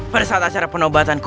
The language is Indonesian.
pada saat acara penobatanku